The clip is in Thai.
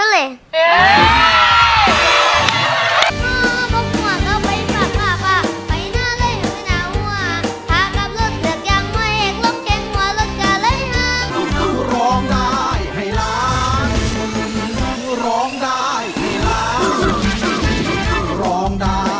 หรือกลับจีบล่ะสักขวัญ